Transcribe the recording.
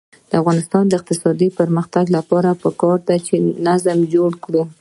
د افغانستان د اقتصادي پرمختګ لپاره پکار ده چې نظم جوړ کړو.